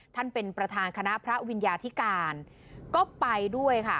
เป็นประธานคณะพระวิญญาธิการก็ไปด้วยค่ะ